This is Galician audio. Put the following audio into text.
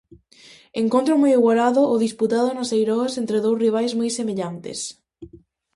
Encontro moi igualado o disputado nas Eiroas entre dous rivais moi semellantes.